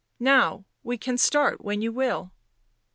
Now, we can start when you will."